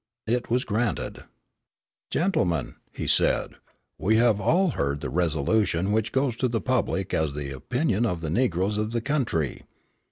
It was granted. "Gentlemen," he said, "we have all heard the resolution which goes to the public as the opinion of the negroes of the country.